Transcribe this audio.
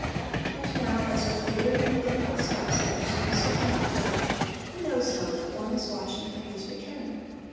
And now as with weary and painful steps he pursues the homeward way, he knows not that one is watching for his return.